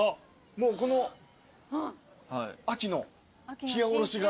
もうこの秋のひやおろしが。